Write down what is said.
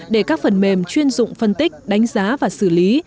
để các phần mềm chuyên dụng phân tích đánh giá và xử lý